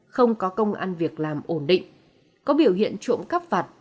không có công ăn việc làm ổn định có biểu hiện trộm cắp vặt